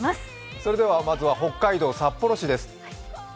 それでは、まずは北海道札幌市です。